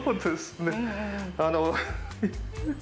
あの。